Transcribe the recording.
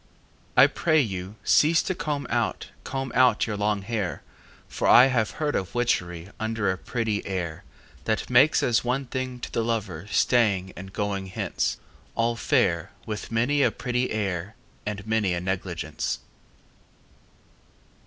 I pray you, cease to comb out, Comb out your long hair, For I have heard of witchery Under a pretty air, That makes as one thing to the lover Staying and going hence, All fair, with many a pretty air And many a negligence.